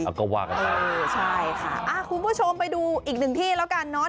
ก็ว่ากันไปเออใช่ค่ะอ่าคุณผู้ชมไปดูอีกหนึ่งที่แล้วกันเนอะ